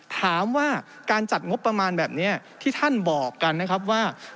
ถามว่าการจัดงบประมาณแบบนี้ที่ท่านบอกกันนะครับว่า